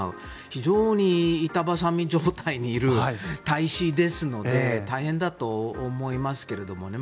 非常に板挟み状態にいる大使ですので大変だと思いますけどもね。